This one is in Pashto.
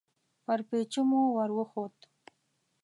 پر پېچومو ور وختو.